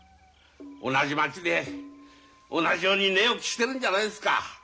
同じ町で同じように寝起きしてるんじゃないですか。